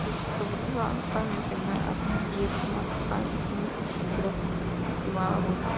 Entre sus profesores cabe mencionar a Pietro Mascagni, que lo estimaba mucho.